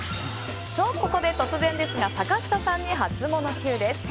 と、ここで突然ですが坂下さんにハツモノＱです。